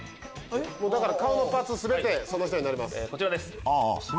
だから顔のパーツ全てその人になります。